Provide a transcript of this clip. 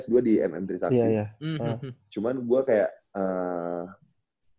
s dua di nm trisakti cuman gue kayak